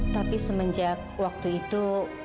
tapi semenjak waktu itu